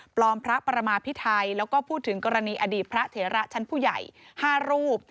พระประมาพิไทยแล้วก็พูดถึงกรณีอดีตพระเถระชั้นผู้ใหญ่๕รูป